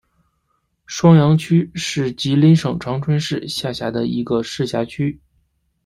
双阳区是吉林省长春市下辖的一个市辖区。